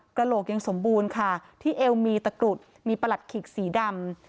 กระโหลกยังสมบูรณ์ค่ะที่เอวมีตะกรุดมีประหลัดขิกสีดำ